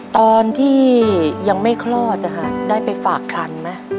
ตอนที่ยังไม่คลอดนะคะได้ไปฝากคันไหม